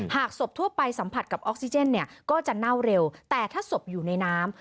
หากศพทั่วไปสัมผัสกับออกซิเจนเนี่ยก็จะเน่าเร็วแต่ถ้าศพอยู่ในน้ำ